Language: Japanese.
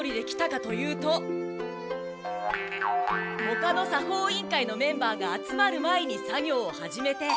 ほかの作法委員会のメンバーが集まる前に作業を始めて。